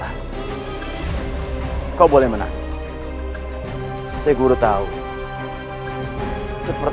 aku mohon temukanlah ibu bundaku syeguru